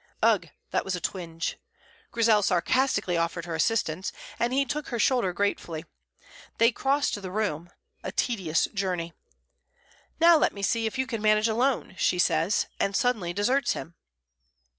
Ugh, that was a twinge! Grizel sarcastically offered her assistance, and he took her shoulder gratefully. They crossed the room a tedious journey. "Now let me see if you can manage alone," she says, and suddenly deserts him.